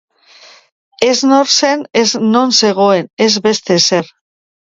Ez nor zen, ez non zegoen, ez beste ezer.